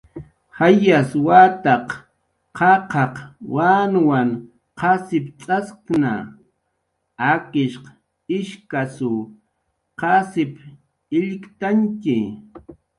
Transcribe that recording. Jayas wataq qaqaq wanwanw qasipcx'askna, akishq ishkasw qasip illktantxi